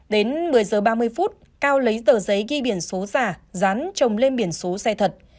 đến một mươi h ba mươi phút cao lấy tờ giấy ghi biển số giả dán trồng lên biển số xe thật